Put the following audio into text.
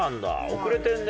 遅れてんね。